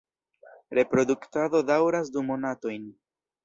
Reproduktado daŭras du monatojn.